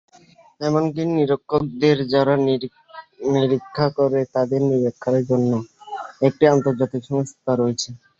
এমনকি নিরীক্ষকদের যারা নিরীক্ষা করে তাদের নিরীক্ষার জন্য একটি আন্তর্জাতিক সংস্থা রয়েছে।